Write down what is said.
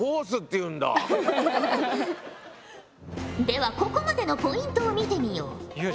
ではここまでのポイントを見てみよう。